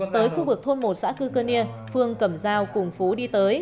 tới khu vực thôn một xã cư cơ nia phương cầm dao cùng phú đi tới